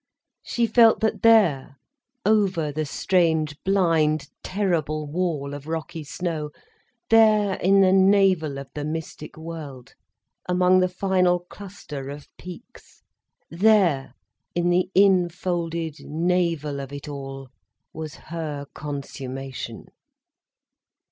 She felt that there, over the strange blind, terrible wall of rocky snow, there in the navel of the mystic world, among the final cluster of peaks, there, in the infolded navel of it all, was her consummation.